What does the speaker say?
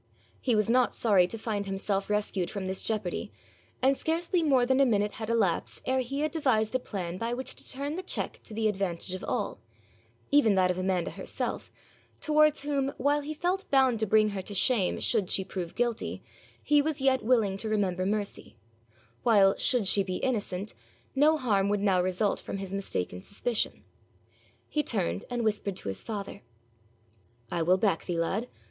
He was not sorry to find himself rescued from this jeopardy, and scarcely more than a minute had elapsed ere he had devised a plan by which to turn the check to the advantage of all even that of Amanda herself, towards whom, while he felt bound to bring her to shame should she prove guilty, he was yet willing to remember mercy; while, should she be innocent, no harm would now result from his mistaken suspicion. He turned and whispered to his father. 'I will back thee, lad.